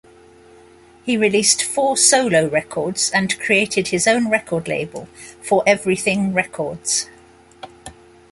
He released four solo records and created his own record label, "Foreverything Records".